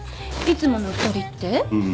いつもの２人って？